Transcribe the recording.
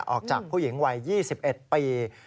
ออกจากผู้หญิงวัย๒๑ปี